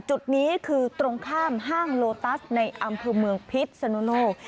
จุดนี้คือตรงข้ามห้างโลตัสในอำเภอเมืองพิษสนุโลก